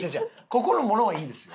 ここのものはいいんですよ。